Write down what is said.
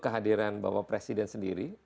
kehadiran bapak presiden sendiri